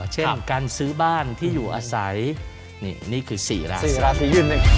เช่นการซื้อบ้านที่อยู่อาศัยนี่คือ๔ราศี